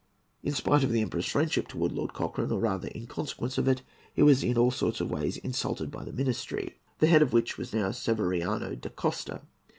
In spite of the Emperor's friendship towards Lord Cochrane, or rather in consequence of it, he was in all sorts of ways insulted by the ministry, the head of which was now Severiano da Costa.